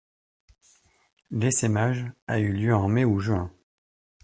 L'essaimage a lieu en mai ou juin.